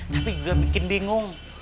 tapi juga bikin bingung